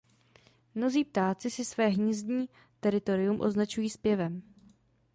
Mnozí ptáci si své hnízdní teritorium označují zpěvem.